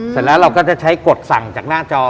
เสร็จแล้วเราก็จะใช้กฎสั่งจากหน้าจอ